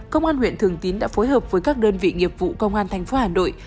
công an huyện thường tín đã phối hợp với các đơn vị nghiệp vụ công an thành phố hà nội